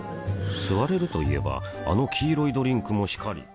吸われるといえばあの黄色いドリンクもしかり。